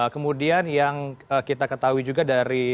kemudian yang kita ketahui juga dari teman kami